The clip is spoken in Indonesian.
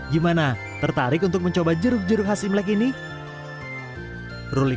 gimana tertarik untuk mencoba jeruk jeruk khas imlek ini